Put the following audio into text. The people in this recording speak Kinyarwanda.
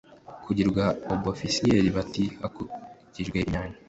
Kugirwa abofisiye bato hakurikijwe imyanya